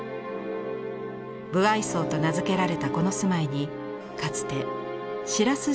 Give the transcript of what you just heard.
武相荘と名付けられたこの住まいにかつて白洲